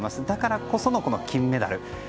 だからこその金メダル。